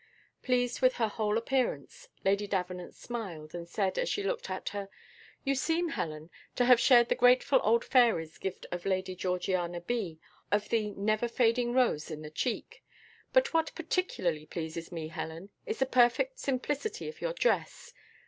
Pleased with her whole appearance, Lady Davenant smiled, and said, as she looked at her "You seem, Helen, to have shared the grateful old fairy's gift to Lady Georgiana B. of the never fading rose in the cheek. But what particularly pleases me, Helen, is the perfect simplicity of your dress.